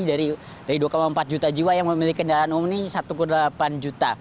jadi dari dua empat juta jiwa yang memiliki kendaraan umum ini satu delapan juta